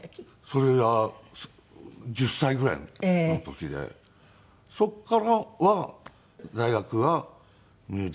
それが１０歳ぐらいの時でそこからは大学はミュージカル科の。